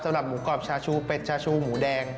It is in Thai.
สำหรับหมูกรอบชาชูเป็ดชาชูหมูแดง